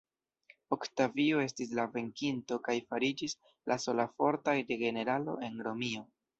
Oktavio estis la venkinto kaj fariĝis la sola forta generalo en Romio.